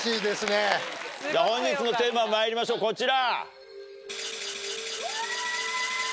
本日のテーマまいりましょうこちら！